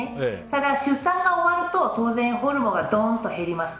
ただ、出産が終わると当然、ホルモンがどんと減ります。